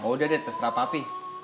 udah deh terserah papi